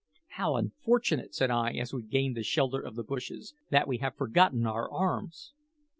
"How unfortunate," said I as we gained the shelter of the bushes, "that we have forgotten our arms!"